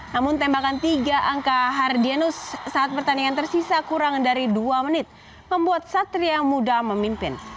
namun tembakan tiga angka hardianus saat pertandingan tersisa kurang dari dua menit membuat satria muda memimpin